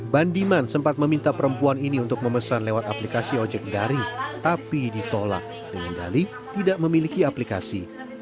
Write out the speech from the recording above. bandiman sempat meminta perempuan ini untuk memesan lewat aplikasi ojek daring tapi ditolak dengan dali tidak memiliki aplikasi